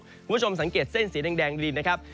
คุณผู้ชมสังเกตเส้นสีแดงดินนะครับ